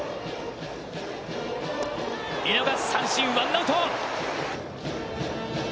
見逃し三振、ワンアウト。